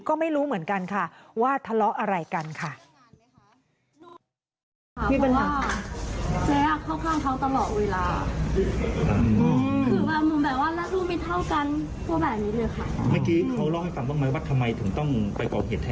ก็ไม่รู้เหมือนกันค่ะว่าทะเลาะอะไรกันค่ะ